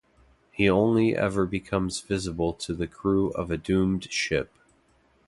He only ever becomes visible to the crew of a doomed ship.